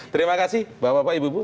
terima kasih pak bapak pak ibu ibu